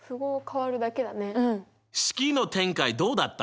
式の展開どうだった？